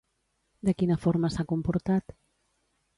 De quina forma s'ha comportat?